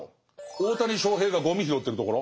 大谷翔平がゴミ拾ってるところ？